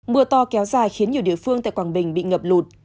mưa to kéo dài khiến nhiều địa phương tại quảng bình bị ngập lụt